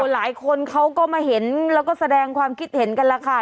หลายคนเขาก็มาเห็นแล้วก็แสดงความคิดเห็นกันแล้วค่ะ